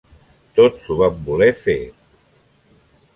Tots ho vam voler fer.